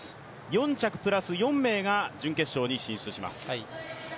４着プラス４名が準決勝に進出します。